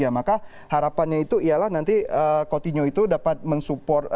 ya maka harapannya itu ialah nanti coutinho itu dapat mensupport